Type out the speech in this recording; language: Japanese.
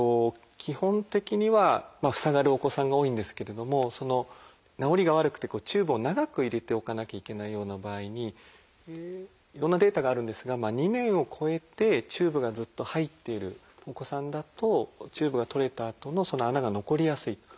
基本的には塞がるお子さんが多いんですけれども治りが悪くてチューブを長く入れておかなきゃいけないような場合にいろんなデータがあるんですが２年を超えてチューブがずっと入っているお子さんだとチューブが取れたあとのその穴が残りやすい。